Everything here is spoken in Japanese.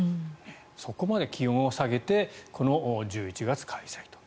そこまで気温を下げてこの１１月開催と。